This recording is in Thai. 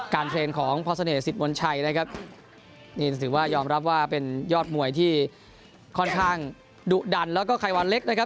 การเทรนของพศสิทมนต์ชัยยอมรับว่าเป็นยอดมวยที่ค่อนข้างดุดันและไขวันเล็ก